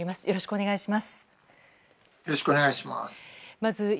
よろしくお願いします。